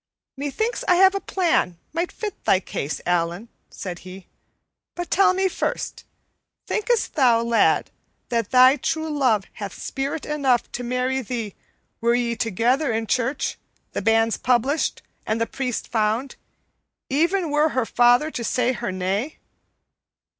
"Methinks I have a plan might fit thy case, Allan," said he. "But tell me first, thinkest thou, lad, that thy true love hath spirit enough to marry thee were ye together in church, the banns published, and the priest found, even were her father to say her nay?"